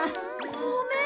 ごめん。